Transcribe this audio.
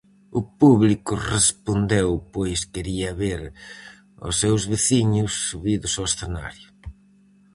O público respondeu pois quería ver aos seus veciños subidos ao escenario.